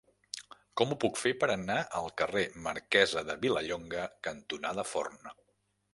Com ho puc fer per anar al carrer Marquesa de Vilallonga cantonada Forn?